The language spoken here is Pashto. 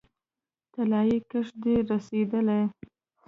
طلايي کښت دې رسیدلی